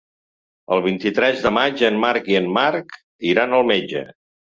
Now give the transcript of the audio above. El vint-i-tres de maig en Marc i en Marc iran al metge.